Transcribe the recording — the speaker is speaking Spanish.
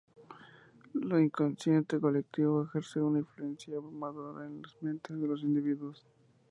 Lo inconsciente colectivo ejerce una influencia abrumadora en las mentes de los individuos.